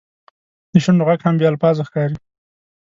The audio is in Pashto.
د شونډو ږغ هم بې الفاظو ښکاري.